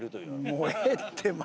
もうええってマジ。